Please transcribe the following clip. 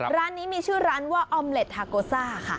ร้านนี้มีชื่อร้านว่าออมเล็ดทาโกซ่าค่ะ